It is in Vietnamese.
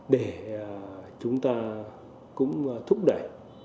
để chúng ta cũng thúc đẩy